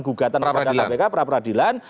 gugatan dari kpk prapradilan